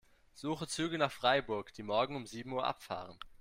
Suche Züge nach Freiburg, die morgen um sieben Uhr abfahren.